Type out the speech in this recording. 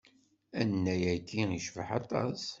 Annay-agi icbeḥ aṭas.